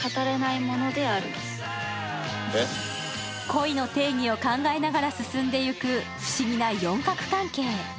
恋の定義を考えながら進んでゆく不思議な四角関係。